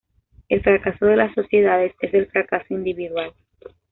El fracaso de las sociedades es el fracaso individual.